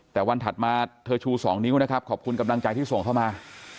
แต่วันถัดมาเธอชู๒นิ้วนะครับขอบคุณกำลังใจที่ส่งเข้ามา